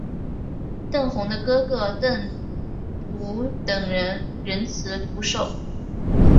邓弘的哥哥邓骘等人仍辞不受。